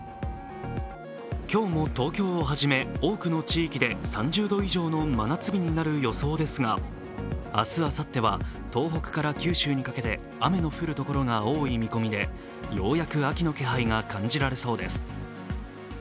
今日も東京をはじめ多くの地域で３０度以上の真夏日になる予想ですが明日、あさっては東北から九州にかけて雨の降るところが多い見込みでようやく秋の気配が感じられそうです。